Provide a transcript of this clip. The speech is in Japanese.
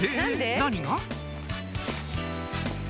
何が？